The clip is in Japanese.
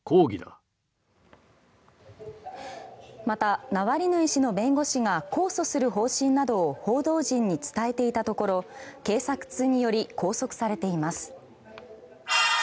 またナワリヌイ氏の弁護士が控訴する方針などを報道陣に伝えていたところ警察により拘束されています。